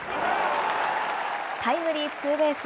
タイムリーツーベース。